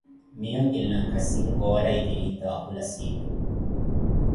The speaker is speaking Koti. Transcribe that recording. Miyo kinlakha sinkoora e trinta wakhula sikhu.